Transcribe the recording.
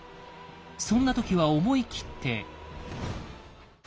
そんな時は思い切って。